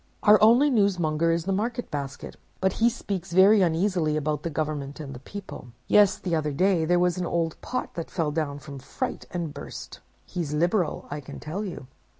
Our only newsmonger is the Market Basket; but he speaks very uneasily about the government and the people. Yes, the other day there was an old pot that fell down, from fright, and burst. He's liberal, I can tell you!